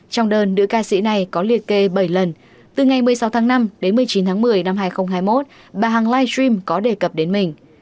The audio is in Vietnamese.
trong đơn nữ ca sĩ này có liệt kê bảy lần từ ngày một mươi sáu tháng năm đến một mươi chín tháng một mươi năm hai nghìn hai mươi một bà hằng live stream có đề cập đến mình